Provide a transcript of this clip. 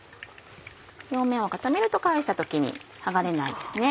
表面を固めると返した時に剥がれないですね。